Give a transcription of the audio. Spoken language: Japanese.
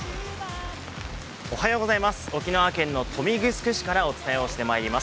沖縄県の豊見城市からお伝えをしてまいります。